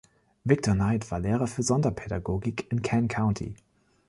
Victor Knight war Lehrer für Sonderpädagogik in Kent County.